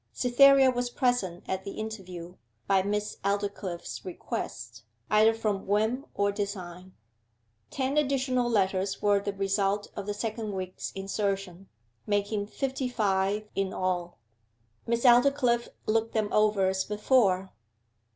Cytherea was present at the interview, by Miss Aldclyffe's request either from whim or design. Ten additional letters were the result of the second week's insertion, making fifty five in all. Miss Aldclyffe looked them over as before.